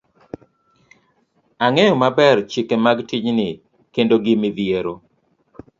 ang'eyo maber chike mag tijni kendo gi midhiero